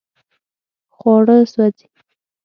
خواړه سوځي